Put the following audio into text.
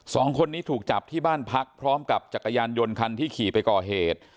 สองคนนี้ถูกจับที่บ้านพักพร้อมกับจักรยานยนต์คันที่ขี่ไปก่อเหตุ